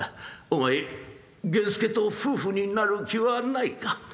お前源助と夫婦になる気はないか？」。